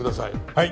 はい。